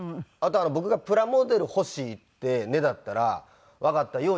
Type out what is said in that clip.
あと僕がプラモデル欲しいってねだったら「わかった。